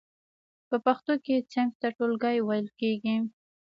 په پښتو کې صنف ته ټولګی ویل کیږی.